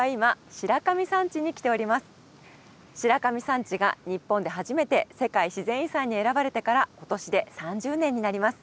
白神山地が日本で初めて世界自然遺産に選ばれてから今年で３０年になります。